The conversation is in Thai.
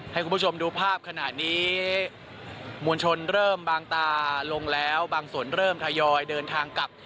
ให้คุณผู้ชมดูภาพขณะนี้มวลชนเริ่มบางตาลงแล้วบางส่วนเริ่มทยอยเดินทางกลับ